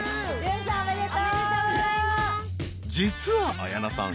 ［実は綾菜さん。